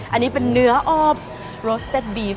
อันนี้เป็นเนื้ออบรสเต็ดบีฟ